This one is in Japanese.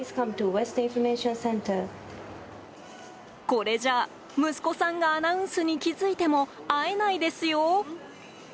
これじゃ、息子さんがアナウンスに気付いても会えないですよ。